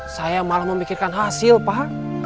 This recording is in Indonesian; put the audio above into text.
saya malah memikirkan hasil pak